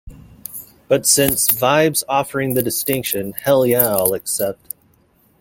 But since "Vibe"s offering the distinction, hell yeah I'll accept!